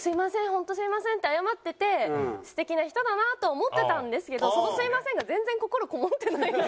本当すみません」って謝ってて素敵な人だなと思ってたんですけどその「すみません」が全然心こもってない。